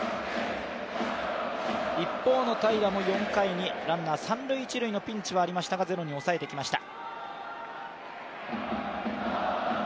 一方の平良も４回にランナー三・一塁のピンチはありましたがゼロに抑えてきました。